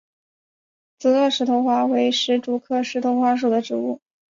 紫萼石头花为石竹科石头花属的植物。